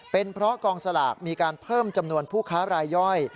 เป็นเพราะกองสลากมีการเพิ่มจำนวนผู้ค้ารายย่อย